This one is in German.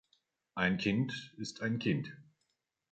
Ein Kind ist ein Kind.